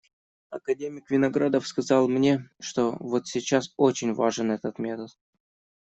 Академик Виноградов сказал мне, что вот сейчас очень важен этот метод.